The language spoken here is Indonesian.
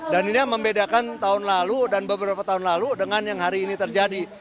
dan ini yang membedakan tahun lalu dan beberapa tahun lalu dengan yang hari ini terjadi